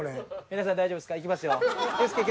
皆さん大丈夫ですか？